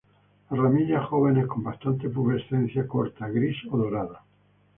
Las ramillas jóvenes con bastante pubescencia corta gris a dorada.